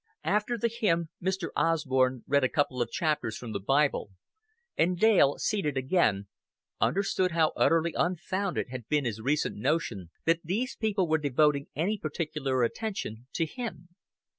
After the hymn Mr. Osborn read a couple of chapters from the Bible, and Dale, seated again, understood how utterly unfounded had been his recent notion that these people were devoting any particular attention to him.